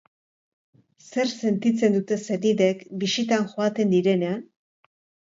Zer sentitzen dute senideek bisitan joaten direnean?